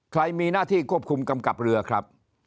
ใครมีหน้าที่ควบคุมกำกับเรือครับ